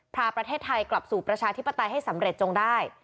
พาประเทศไทยกลับสู่ประชาธิปไตยให้สำเร็จจงได้